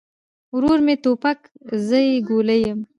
ورور مې توپک، زه يې ګولۍ يم